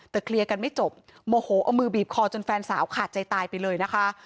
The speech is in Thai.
แต่เคลียร์กันไม่จบโมโหเอามือบีบคอจนแฟนสาวขาดใจตายไปเลยนะคะ